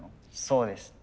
そうです。